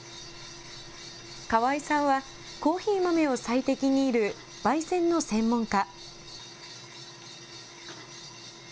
川井さんはコーヒー豆を最適にいるばい煎の専門家。